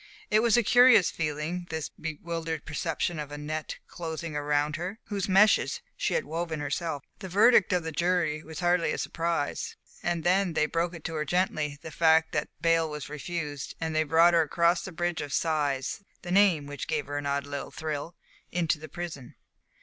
It was a curious feeling this bewildered perception of a net closing round her, whose meshes she had woven herself. The verdict of the jury was hardly a surprise. And then they broke to her gently the fact that bail was refused, and they brought her across the Bridge of Sighs, the name of which gave her an odd little thrill, into the prison.